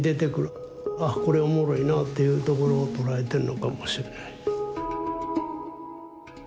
あっこれおもろいなっていうところを捉えてんのかもしれない。